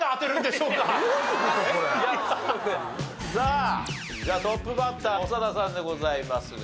さあじゃあトップバッター長田さんでございますが。